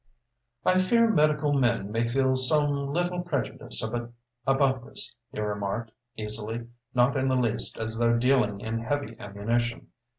"I fear medical men may feel some little prejudice about this," he remarked, easily not in the least as though dealing in heavy ammunition.